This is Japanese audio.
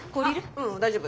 ううん大丈夫。